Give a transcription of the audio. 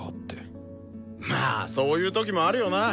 まあそういう時もあるよな！